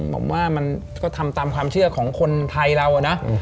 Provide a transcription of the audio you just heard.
ผมว่ามันก็ทำตามความเชื่อของคนไทยเรานะ